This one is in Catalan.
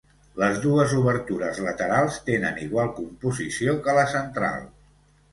Les dues obertures laterals tenen igual composició que la central.